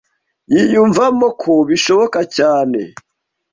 yiyumvamo ko bishoboka cyane